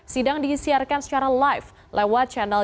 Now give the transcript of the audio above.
sidang disiarkan secara live lewat channel